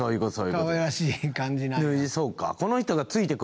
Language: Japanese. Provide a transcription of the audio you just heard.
かわいらしい感じなんか。